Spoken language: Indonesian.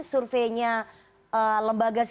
surveinya lembaga survei